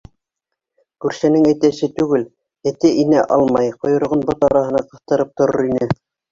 Күршенең әтәсе түгел, эте инә алмай ҡойроғон бот араһына ҡыҫтырып торор ине.